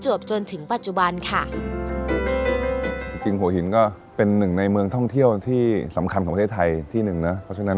จนถึงปัจจุบันค่ะจริงจริงหัวหินก็เป็นหนึ่งในเมืองท่องเที่ยวที่สำคัญของประเทศไทยที่หนึ่งนะเพราะฉะนั้น